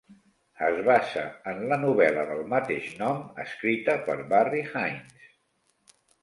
Es basa en la novel·la del mateix nom, escrita per Barry Hines.